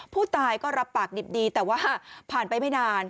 ผู้ตายก็รับปากดิบดีแต่ว่าผ่านไปไม่นาน